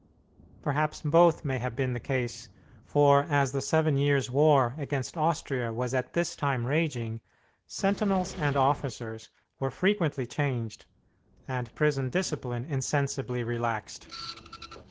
Perhaps both may have been the case, for as the Seven Years' War (against Austria) was at this time raging, sentinels and officers were frequently changed, and prison discipline insensibly relaxed.